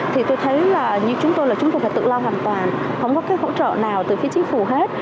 thì tôi thấy là như chúng tôi là chúng tôi phải tự lo hoàn toàn không có cái hỗ trợ nào từ phía chính phủ hết